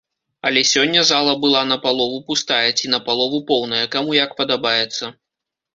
Але сёння зала была на палову пустая, ці на палову поўная, каму як падабаецца.